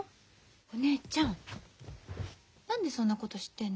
お姉ちゃん何でそんなこと知ってんの？